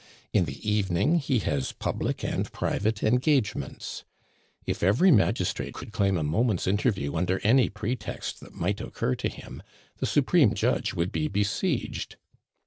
In the evening he has public and private engagements. If every magistrate could claim a moment's interview under any pretext that might occur to him, the Supreme Judge would be besieged.